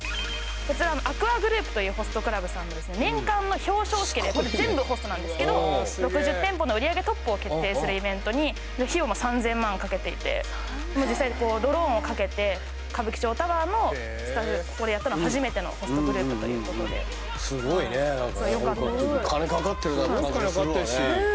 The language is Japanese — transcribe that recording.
こちらＡＣＱＵＡＧＲＯＵＰというホストクラブさんの年間の表彰式でこれ全部ホストなんですけど６０店舗の売り上げトップを決定するイベントに費用も３０００万をかけていて実際にドローンをかけて歌舞伎町タワーのスタジオでここでやったのは初めてのホストグループということですごいね金かかってるなって感じがするわね